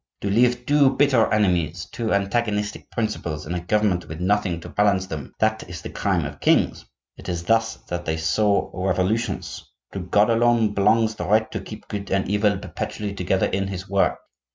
To leave two bitter enemies, two antagonistic principles in a government with nothing to balance them, that is the crime of kings; it is thus that they sow revolutions. To God alone belongs the right to keep good and evil perpetually together in his work.